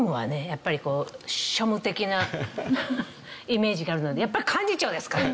やっぱりこう庶務的なイメージがあるのでやっぱり幹事長ですかね。